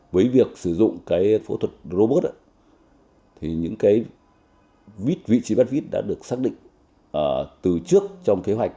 với việc sử dụng phẫu thuật robot vị trí bắt vít đã được xác định từ trước trong kế hoạch